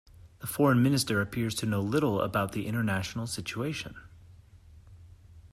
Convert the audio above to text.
The foreign minister appears to know little about the international situation.